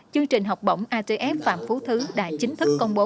chương trình học bổng atf phạm phú thứ đã chính thức công bố